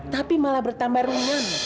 tapi malah bertambah ringan